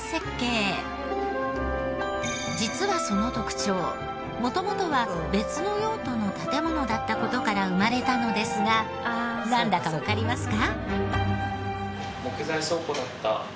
実はその特徴元々は別の用途の建物だった事から生まれたのですがなんだかわかりますか？